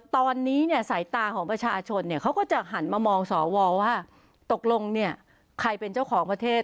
ตอนนี้เนี่ยสายตาของประชาชนเนี่ยเขาก็จะหันมามองสวว่าตกลงเนี่ยใครเป็นเจ้าของประเทศ